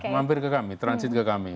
mampir ke kami transit ke kami